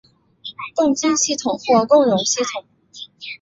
共晶系统或共熔系统。